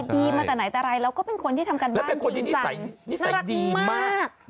มาแต่ไหนแต่ไรแล้วก็เป็นคนที่ทำการบ้านคนใสน่ารักมาก